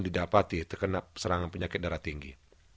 didapati terkena serangan penyakit darah tinggi